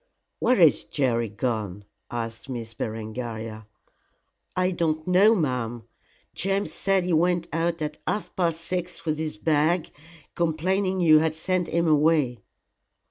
"Where is Jerry gone?" asked Miss Berengaria. "I don't know, ma'am. James said he went out at half past six with his bag, complaining you had sent him away."